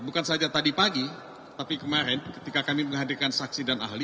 bukan saja tadi pagi tapi kemarin ketika kami menghadirkan saksi dan ahli